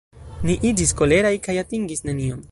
Ni iĝis koleraj kaj atingis nenion.